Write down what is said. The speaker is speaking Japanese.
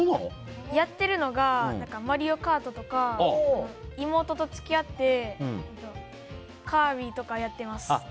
やってるのが「マリオカート」とか妹に付き合って「カービィ」とかやってます。